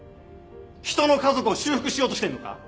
人の家族を修復しようとしてんのか？